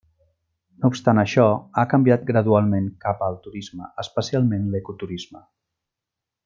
No obstant això, ha canviat gradualment cap al turisme, especialment l'ecoturisme.